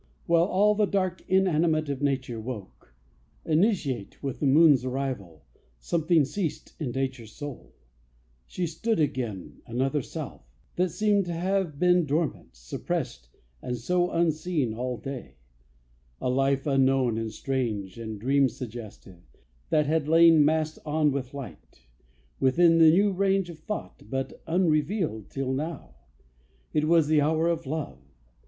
While all the dark inanimate Of nature woke; initiate With th' moon's arrival, something ceased In nature's soul; she stood again Another self, that seemed t' have been Dormant, suppressed and so unseen All day; a life, unknown and strange And dream suggestive, that had lain, Masked on with light, within the range Of thought, but unrevealed till now. It was the hour of love.